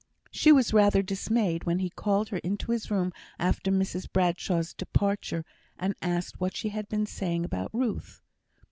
She was rather dismayed when he called her into his room after Mrs Bradshaw's departure, and asked her what she had been saying about Ruth?